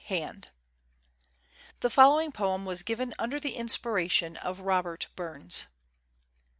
[The following poem was given under the inspiration of Robert Burns.